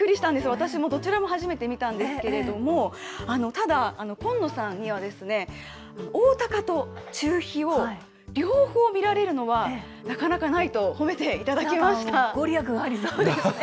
私もどちらも初めて見たんですけれども、ただ、紺野さんには、オオタカとチュウヒを両方見られるのはなかなかないと褒めていた御利益がありそうですね。